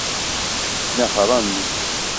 Nehṛen.